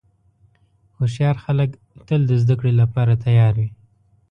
هوښیار خلک تل د زدهکړې لپاره تیار وي.